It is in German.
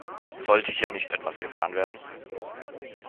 Sollte hier nicht etwas getan werden?